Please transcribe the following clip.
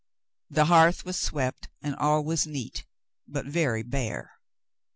The hearth was swept and all was neat, but very bare.